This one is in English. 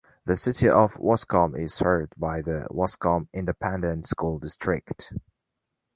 The City of Waskom is served by the Waskom Independent School District.